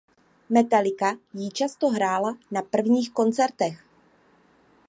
Metallica jí často hrála na prvních koncertech.